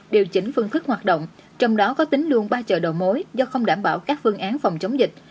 điều chỉnh phương thức hoạt động trong đó có tính luôn ba chợ đầu mối do không đảm bảo các phương án phòng chống dịch